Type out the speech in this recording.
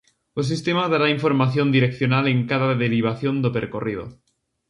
O sistema dará información direccional en cada derivación do percorrido.